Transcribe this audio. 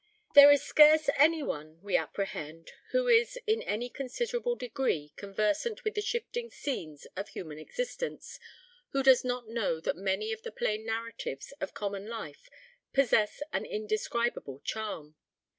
There is scarce any one, we apprehend, who is in any considerable degree conversant with the shifting scenes of human existence, who does not know that many of the plain narratives of common life possess an indescribable charm.